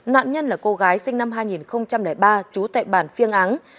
nạn nhân là cô gái sinh năm hai nghìn ba trú tại bản phiêng áng